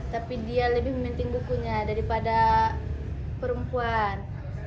tapi dia lebih mementing bukunya daripada perempuan